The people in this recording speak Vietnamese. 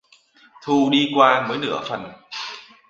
Thu đi qua mới nửa phần